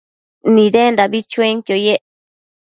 Nidendabi chuenquio yec